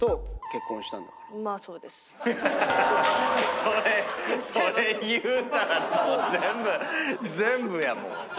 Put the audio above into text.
それそれ言うたらもう全部全部やもう。